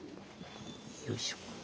よいしょ。